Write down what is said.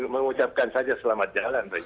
mengucapkan saja selamat jalan pak yusuf